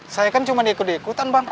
saya kan cuma di ikut ikutan bang